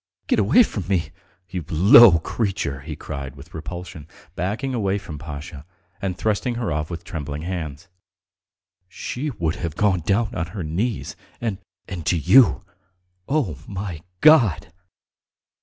Get away from me ... you low creature!" he cried with repulsion, backing away from Pasha, and thrusting her off with trembling hands. "She would have gone down on her knees, and ... and to you! Oh, my God!"